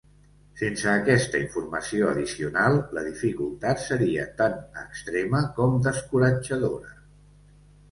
Sense aquesta informació addicional la dificultat seria tan extrema com descoratjadora.